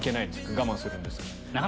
我慢するんですか？